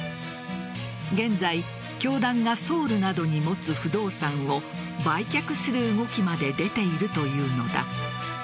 現在、教団がソウルなどに持つ不動産を売却する動きまで出ているというのだ。